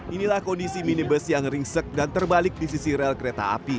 inilah kondisi minibus yang ringsek dan terbalik di sisi rel kereta api